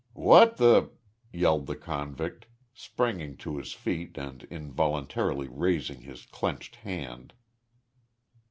"What th' ?" yelled the convict, springing to his feet and involuntarily raising his clenched hand.